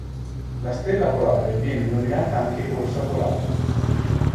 La stella polare viene denominata anche orsa polare.